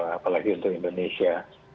apalagi untuk indonesia